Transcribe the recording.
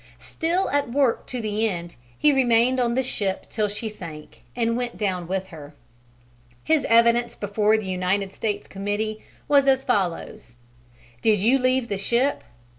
Still at work to the end, he remained on the ship till she sank and went down with her. His evidence before the United States Committee was as follows: "Did you leave the ship?"